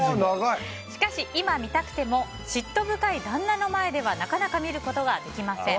しかし、今見たくても嫉妬深い旦那の前ではなかなか見ることができません。